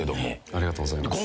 ありがとうございます。